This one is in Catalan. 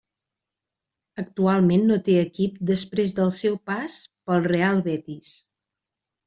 Actualment no té equip després del seu pas pel Real Betis.